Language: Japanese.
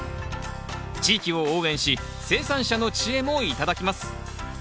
地域を応援し生産者の知恵も頂きます。